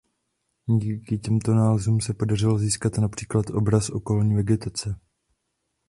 Díky těmto nálezům se podařilo získat například obraz okolní vegetace.